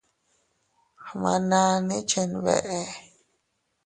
Gmananni chenbeʼe.